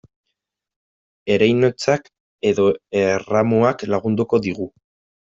Ereinotzak edo erramuak lagunduko digu.